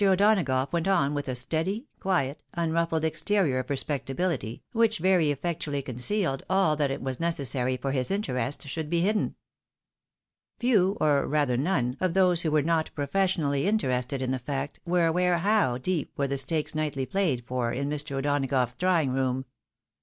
O'Donagough went on with a steady, quiet, un ruffled exterior of respectability, which effectually concealed aU that it was necessary for his interest should be hidden. Few, or rather none, of those who were not professionally interested in the fact, were aware how deep were the stakes nightly played for in Mr. O'Donagough's drawing room.